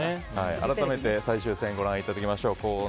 改めて最終戦ご覧いただきましょう。